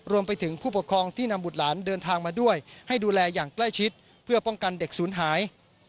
รวมไปถึงผู้ปกครองที่นำบุตรหลานเดินทางมาด้วยให้ดูแลอย่างใกล้ชิดเพื่อป้องกันเด็กศูนย์หาย